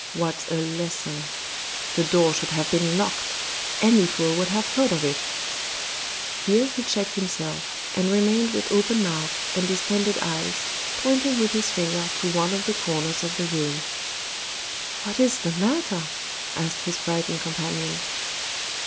What a lesson! The door should have been locked; any fool would have thought of it " Here he checked himself, and remained with open mouth and distended eyes, pointing with his finger to one of the corners of the room. "What is the matter?" asked his frightened companion.